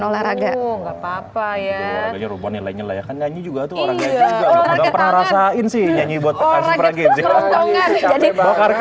olahraga nggak papa ya nyanyi juga pernah rasain sih nyanyi buat orang itu jadi jadi kebongkar deh